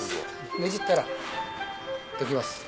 ねじったらできます。